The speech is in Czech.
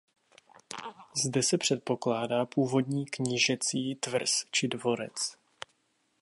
Zde se předpokládá původní knížecí tvrz či dvorec.